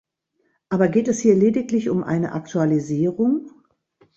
Aber geht es hier lediglich um eine Aktualisierung?